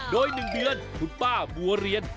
โดย๑เดือนคุณป้าบัวเรียน